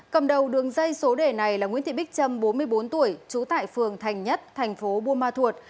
cầm đầu đường dây số đề này là nguyễn thị bích trâm bốn mươi bốn tuổi trú tại phường thành nhất thành phố buôn ma thuột